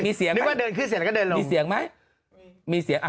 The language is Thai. มีเสียงไหมนึกว่าเดินขึ้นเสร็จแล้วก็เดินลงมีเสียงไหมมีเสียงอ่ะ